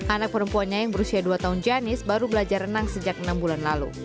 anak perempuannya yang berusia dua tahun janis baru belajar renang sejak enam bulan lalu